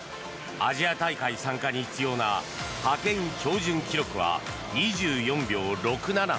アジア大会参加に必要な派遣標準記録は２４秒６７。